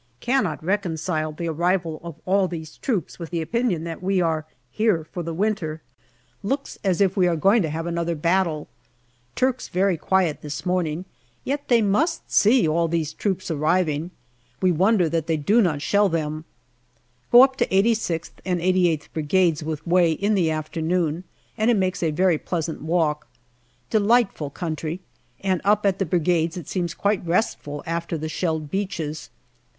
Cannot reconcile the arrival of all these troops with the opinion that we are here for the winter. Looks as if we are going to have another battle. Turks very quiet this morning, yet they must see all these troops arriving. We wonder that they do not shell them. Go up to 86th and 88th Brigades with Way in the after noon, and it makes a very pleasant walk. Delightful country, and up at the Brigades it seems quite restful after the shelled beaches.